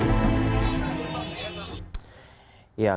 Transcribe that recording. ketika mendengarkan kisah ini kairullah mencari penumpang